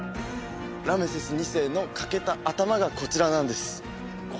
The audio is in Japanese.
ラメセス２世の欠けた頭がこちらなんです